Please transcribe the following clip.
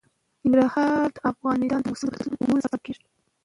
ننګرهار د افغانستان د موسم د بدلون سبب کېږي.